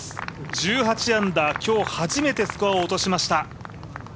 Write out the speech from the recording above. １８アンダ−、今日初めてスコアを落としました。